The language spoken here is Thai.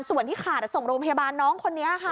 ส่วนที่ขาดส่งโรงพยาบาลน้องคนนี้ค่ะ